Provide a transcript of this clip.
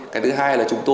cái thứ hai là chúng tôi